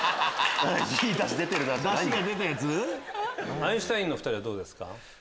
アインシュタインの２人はどうですか？